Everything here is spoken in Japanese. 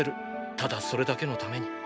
ただそれだけのために！